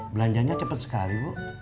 belanjanya cepet sekali bu